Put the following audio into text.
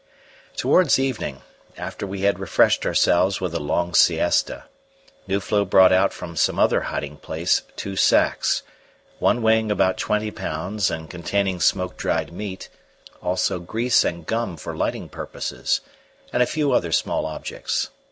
Towards evening, after we had refreshed ourselves with a long siesta, Nuflo brought out from some other hiding place two sacks; one weighing about twenty pounds and containing smoke dried meat, also grease and gum for lighting purposes, and a few other small objects.